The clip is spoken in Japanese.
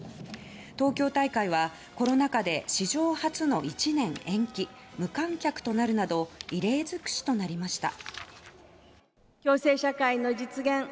東京大会はコロナ禍で史上初の１年延期無観客となるなど異例尽くしとなりました。